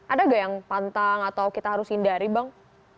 ada nggak yang pantang atau kita harus hindari bang